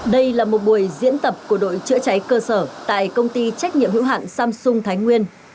đây là một buổi diễn tập của đội chữa cháy cơ sở tại công ty trách nhiệm hữu hạn samsung thái nguyên